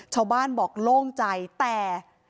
ชาวบ้านบอกโล่งใจแต่